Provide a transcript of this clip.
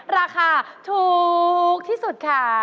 ราคาถูกที่สุดค่ะ